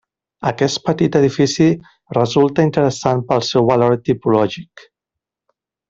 Aquest petit edifici resulta interessant pel seu valor tipològic.